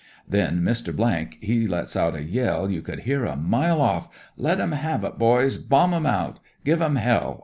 "Then Mr. he lets out a yell you could hear a mile off. * Let 'em have it, boys I Bomb 'em out ! Give 'em hell